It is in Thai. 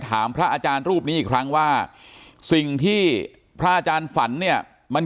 พระอาจารย์รูปนี้อีกครั้งว่าสิ่งที่พระอาจารย์ฝันเนี่ยมัน